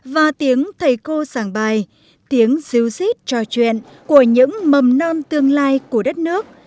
và tiếng thầy cô sàng bài tiếng diêu xít trò chuyện của những mầm non tương lai của đất nước